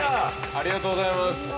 ◆ありがとうございます。